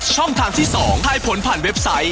ช่องทางที่๒ให้ผลผ่านเว็บไซต์